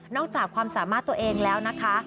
จากความสามารถตัวเองแล้วนะคะ